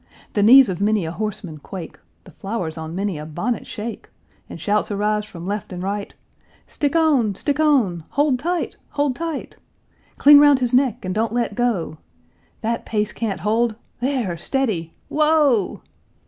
The knees of many a horseman quake, The flowers on many a bonnet shake, And shouts arise from left and right, "Stick on! Stick on!" "Hould tight! Hould tight!" "Cling round his neck and don't let go " "That pace can't hold, there! steady! whoa!"